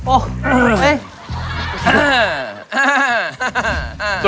โอ้โห